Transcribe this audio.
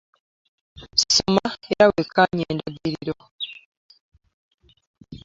Soma era wekkaanye endagiriro.